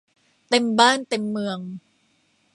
เต็มบ้านเต็มเมือง